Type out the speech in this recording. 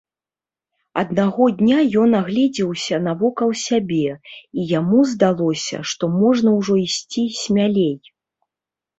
Аднаго дня ён агледзеўся навокал сябе, і яму здалося, што можна ўжо ісці смялей.